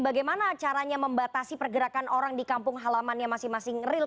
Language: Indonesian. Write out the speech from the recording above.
bagaimana caranya membatasi pergerakan orang di kampung halamannya masing masing real